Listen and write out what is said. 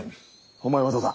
お前はどうだ？